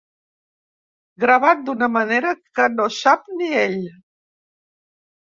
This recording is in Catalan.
Gravat d'una manera que no sap ni ell.